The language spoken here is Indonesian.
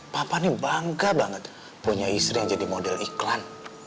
papa ini bangga banget punya istri yang jadi model iklan